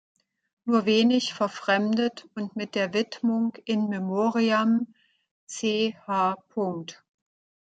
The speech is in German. Nur wenig verfremdet und mit der Widmung "in memoriam Ch.